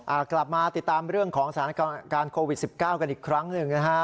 กลับมาติดตามเรื่องของสถานการณ์โควิดสิบเก้ากันอีกครั้งหนึ่งนะฮะ